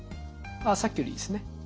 ああさっきよりいいですね。